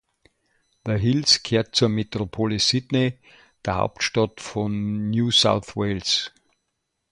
The Hills gehört zur Metropole Sydney, der Hauptstadt von New South Wales.